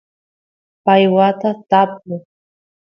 pay watas tapu